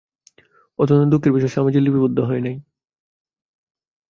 অত্যন্ত দুঃখের বিষয় স্বামীজীর বক্তৃতাবলীর অধিকাংশই আশানুরূপভাবে লিপিবদ্ধ হয় নাই।